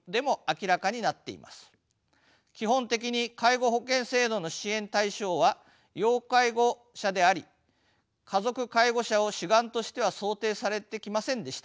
基本的に介護保険制度の支援対象は要介護者であり家族介護者を主眼としては想定されてきませんでした。